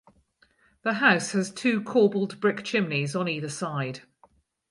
The house has two corbelled brick chimneys on either side.